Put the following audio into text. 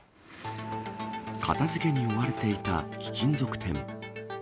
片づけに追われていた貴金属店。